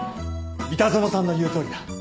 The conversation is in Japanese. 三田園さんの言うとおりだ。